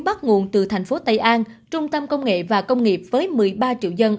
bắt nguồn từ thành phố tây an trung tâm công nghệ và công nghiệp với một mươi ba triệu dân